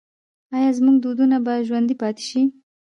آیا زموږ دودونه به ژوندي پاتې شي؟